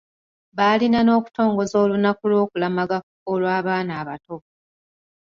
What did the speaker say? Baalina n’okutongoza olunaku lw’okulamaga olw’abaana abato.